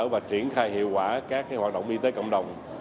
và triển khai hiệu quả các hoạt động y tế cộng đồng